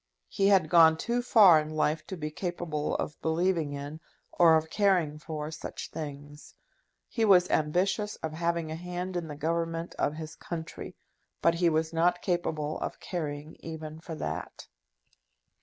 He had gone too far in life to be capable of believing in, or of caring for, such things. He was ambitious of having a hand in the government of his country, but he was not capable of caring even for that.